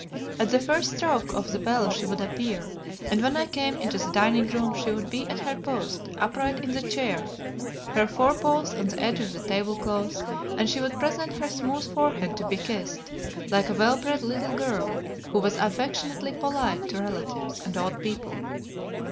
At the first stroke of the bell she would appear, and when I came into the dining room she would be at her post, upright in her chair, her fore paws on the edge of the tablecloth, and she would present her smooth forehead to be kissed, like a well bred little girl who was affectionately polite to relatives and old people.